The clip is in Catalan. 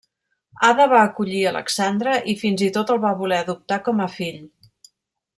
Ada va acollir Alexandre i fins i tot el va voler adoptar com a fill.